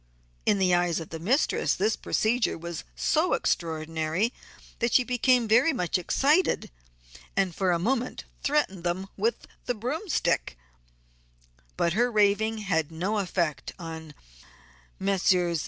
In the eyes of the mistress this procedure was so extraordinary that she became very much excited and for a moment threatened them with the "broomstick," but her raving had no effect on Messrs.